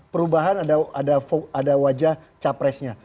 perubahan ada wajah capresnya